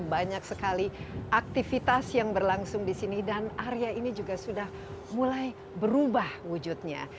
banyak sekali aktivitas yang berlangsung di sini dan area ini juga sudah mulai berubah wujudnya